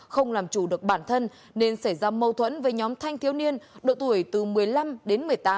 không làm chủ được bản thân nên xảy ra mâu thuẫn với nhóm thanh thiếu niên độ tuổi từ một mươi năm đến một mươi tám